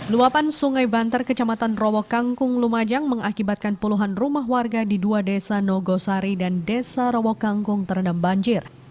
luapan sungai banter kecamatan rowo kangkung lumajang mengakibatkan puluhan rumah warga di dua desa nogosari dan desa rowo kangkung terendam banjir